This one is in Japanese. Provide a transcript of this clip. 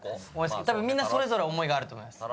たぶんみんなそれぞれ思いがあると思います。